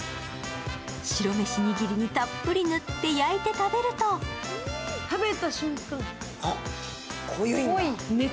白飯にぎりにたっぷり塗って食べると食べた瞬間、濃っ！